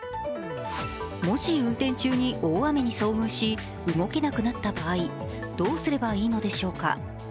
もし、運転中に大雨に遭遇し動けなくなった場合どうすればいいのでしょうか。